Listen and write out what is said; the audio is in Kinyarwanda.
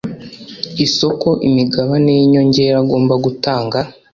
isoko imigabane y inyongera agomba gutanga